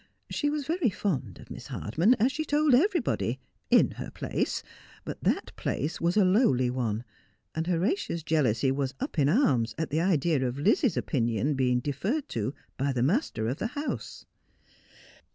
She was very fond of Miss Hardman, as she told everybody, in her place, but that place was a lowly one, and Horatia's jealousy was up in arms at the idea of Lizzie's opinion being deferred to by the master of the house.